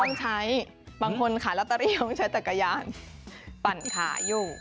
ต้องใช้บางคนขายลอตเตอรี่ต้องใช้จักรยานปั่นขาอยู่